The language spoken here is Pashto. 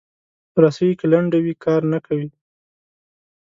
رسۍ که لنډه وي، کار نه کوي.